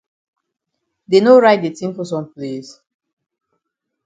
Dey no write de tin for some place?